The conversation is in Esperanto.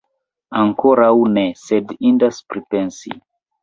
Ankoraŭ ne, sed indas pripensi!